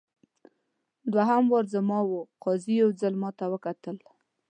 دوهم وار زما وو قاضي یو ځل ماته وکتل.